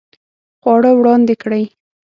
خواړه وړاندې کړئ